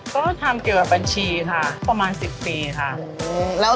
ก็ทำเกี่ยวกับบัญชีค่ะประมาณ๑๐ปีค่ะ